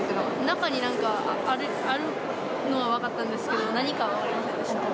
中になんかあるのは分かったんですけど、何かは分かりません